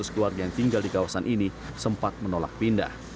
dua ratus keluarga yang tinggal di kawasan ini sempat menolak pindah